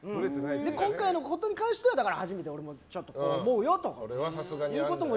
今回のことに関してはだから今回初めて俺もこう思うよということを。